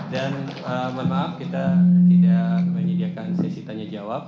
dan mohon maaf kita tidak menyediakan sesi tanya jawab